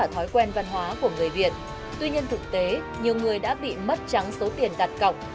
tuy nhiên thực tế nhiều người đã bị mất trắng số tiền đặt cọng